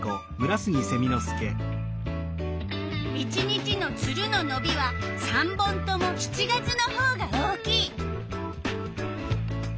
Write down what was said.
１日のツルののびは３本とも７月のほうが大きい。